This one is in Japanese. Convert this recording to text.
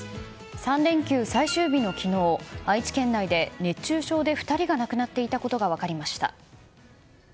３連休最終日の昨日愛知県内で熱中症で２人が亡くなっていたことが分かりました。